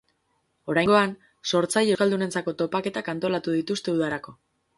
Oraingoan, sortzaile euskaldunentzako topaketak antolatu dituzte udarako.